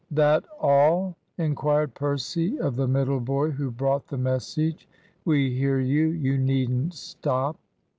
"That all?" inquired Percy of the middle boy who brought the message. "We hear you. You needn't stop."